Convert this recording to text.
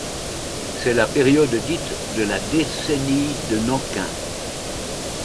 C'est la période dite de la décennie de Nankin.